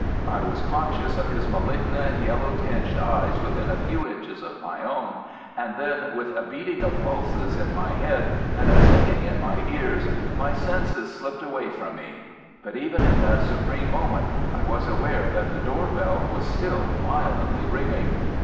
I was conscious of his malignant yellow tinged eyes within a few inches of my own, and then with a beating of pulses in my head and a singing in my ears, my senses slipped away from me. But even in that supreme moment I was aware that the door bell was still violently ringing.